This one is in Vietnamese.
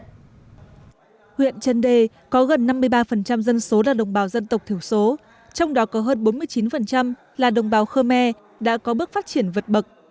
ủy ban nhân dân huyện trần đề có gần năm mươi ba dân số là đồng bào dân tộc thiểu số trong đó có hơn bốn mươi chín là đồng bào khơ me đã có bước phát triển vật bậc